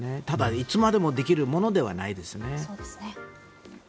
ただ、いつまでもできるものではないですよね。